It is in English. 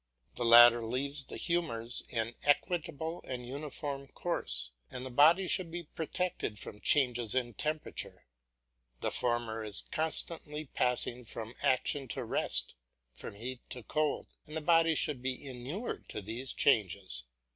The latter leaves the humours an equable and uniform course, and the body should be protected from changes in temperature; the former is constantly passing from action to rest, from heat to cold, and the body should be inured to these changes.